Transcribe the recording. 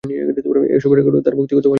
এসবের রেকর্ড তোর ব্যক্তিগত ফাইলে থাকবে।